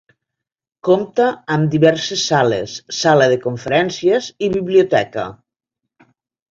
Compta amb diverses sales, sala de conferències i biblioteca.